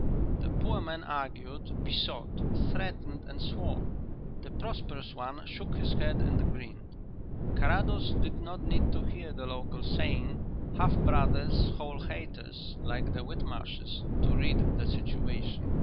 The poor man argued, besought, threatened and swore; the prosperous one shook his head and grinned. Carrados did not need to hear the local saying: "Half brothers: whole haters; like the Whitmarshes," to read the situation.